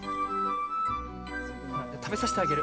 たべさせてあげる。